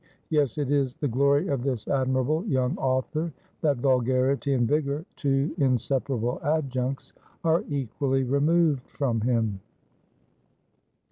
Yes, it is the glory of this admirable young author, that vulgarity and vigor two inseparable adjuncts are equally removed from him."